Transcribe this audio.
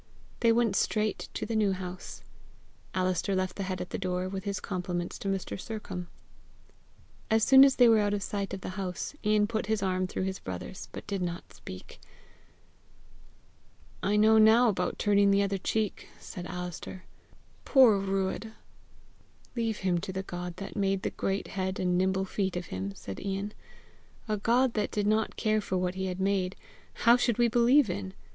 They went straight to the New House. Alister left the head at the door, with his compliments to Mr. Sercombe. As soon as they were out of sight of the house, Ian put his arm through his brother's, but did not speak. "I know now about turning the other cheek!" said Alister. " Poor Euadh!" "Leave him to the God that made the great head and nimble feet of him," said Ian. "A God that did not care for what he had made, how should we believe in!